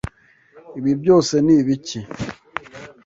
Ibi byose ni ibiki?